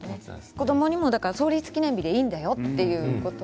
子どもにも創立記念日でいいんだよと言いました。